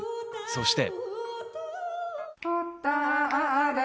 そして。